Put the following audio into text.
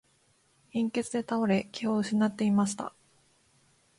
貧血で倒れ、気を失っていました。